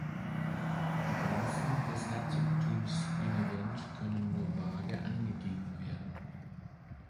Die Grenzen des Herzogtums Benevent können nur vage angegeben werden.